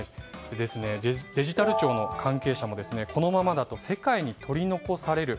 デジタル庁の関係者もこのままだと世界に取り残される。